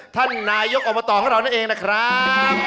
ท่านนายกอบตของเรานั่นเองนะครับ